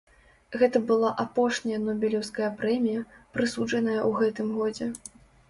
Гэта была апошняя нобелеўская прэмія, прысуджаная ў гэтым годзе.